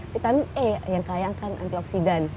vitamin e yang kayangkan antioksidan